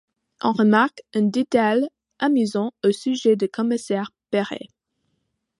On remarque un détail amusant au sujet du commissaire Perret.